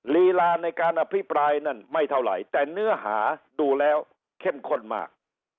ลีลาในการอภิปรายนั่นไม่เท่าไหร่แต่เนื้อหาดูแล้วเข้มข้นมาก